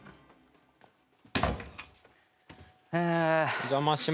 お邪魔します。